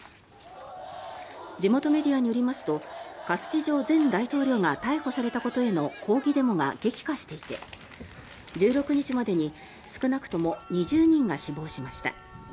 地元メディアによりますとカスティジョ前大統領が逮捕されたことへの抗議デモが激化していて１６日までに少なくとも２０人が死亡しました。